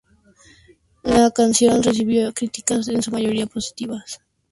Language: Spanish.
La canción recibió críticas en su mayoría positivas.